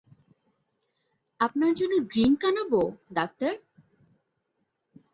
আপনার জন্য ড্রিংক আনবো, ডাক্তার?